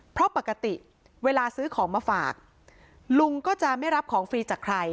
เพราะปกติเวลาซื้อของมาฝากลุงก็จะไม่รับของฟรีจากใคร